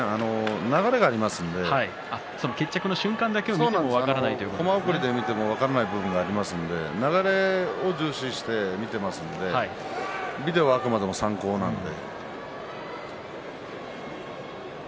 流れがありますのでコマ送りで見ても分からない部分がありますので流れを重視して見ていますのでビデオはあくまでも参考なので。